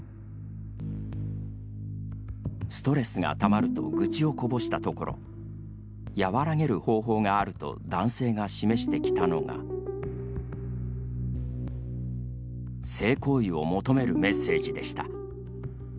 「ストレスがたまる」と愚痴をこぼしたところやわらげる方法があると男性が示してきたのが性行為を求めるメッセージでした。